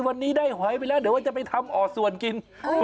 วันนี้ได้หอยไปแล้วเดี๋ยวว่าจะไปทำอ่อส่วนกิน